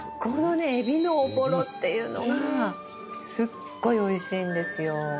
このエビの朧っていうのがすっごいおいしいんですよ。